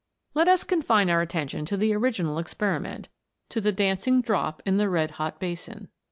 Let us confine our attention to the original expe riment, to the dancing drop in the red hot basin.